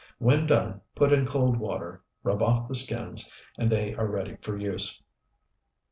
When done, put in cold water, rub off the skins, and they are ready for use.